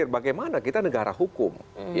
bagaimana kita negara hukum